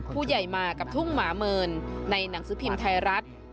ผู้ใหญ่มากับทุ่งหมาเมินในหนังสือพิมพ์ไทยรัฐ